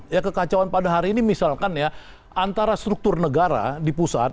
ya kekacauan pada hari ini misalkan ya antara struktur negara di pusat